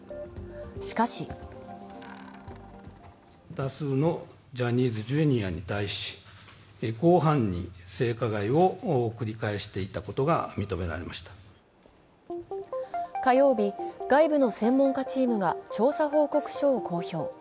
しかし火曜日、外部の専門家チームが調査報告書を公表。